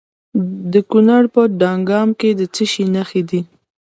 د کونړ په دانګام کې د څه شي نښې دي؟